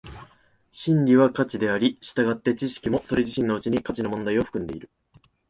真理は価値であり、従って知識もそれ自身のうちに価値の問題を含んでいる。